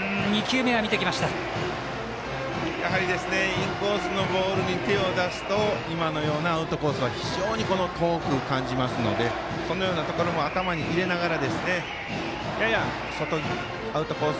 インコースのボールに手を出すと今のようなアウトコースは非常に遠く感じますのでそのようなところも頭に入れながらややアウトコース